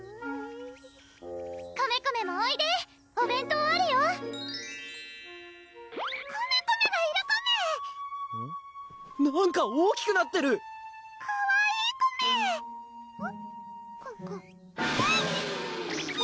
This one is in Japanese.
コメコメもおいでお弁当あるよコメコメがいるコメなんか大きくなってる⁉かわいいコメうん？